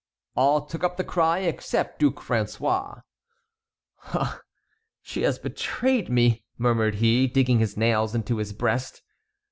All took up the cry except Duc François. "Ah, she has betrayed me!" murmured he, digging his nails into his breast.